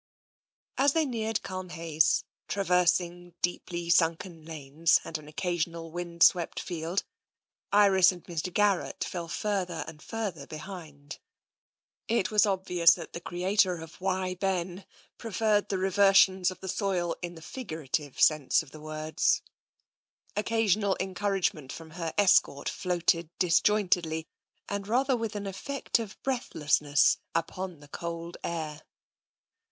As they neared Culmhayes. traversing deeply sunken lanes and an occasional wind swept field. Iris and Mr. Garrett fell further and further behind. it { io6 TENSION It was obvious that the creator of " Why, Ben !" preferred her reversions to the soil in the figurative sense of the words. Occasional encouragement from her escort floated disjointedly, and rather with an effect of breathless ness, upon the cold air.